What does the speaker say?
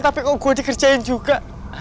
tapi kok gue dikerjain juga